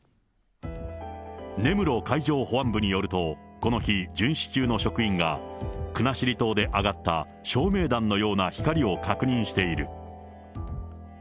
根室海上保安部によると、この日、巡視中の職員が国後島で上がった照明弾のような光を確認している。